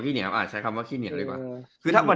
เหนียวอาจใช้คำว่าขี้เหนียวดีกว่า